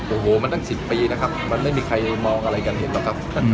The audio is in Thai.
โอ้โหมันตั้ง๑๐ปีนะครับมันไม่มีใครมองอะไรกันเห็นหรอกครับ